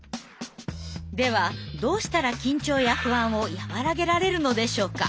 ではどうしたら緊張や不安を和らげられるのでしょうか。